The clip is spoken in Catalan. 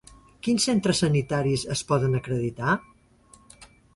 Quins centres sanitaris es poden acreditar?